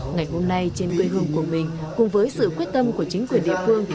ngày hôm nay trên quê hương của mình cùng với sự quyết tâm của chính quyền địa phương